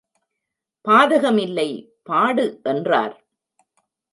பாதகமில்லை, பாடு என்றார்.